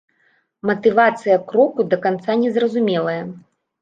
Матывацыя кроку да канца незразумелая.